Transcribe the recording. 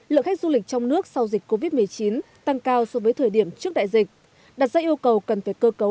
lượng khách du lịch trong nước sau dịch covid một mươi chín tăng cao so với thời điểm trước đại dịch đặt ra yêu cầu cần phải cơ cấu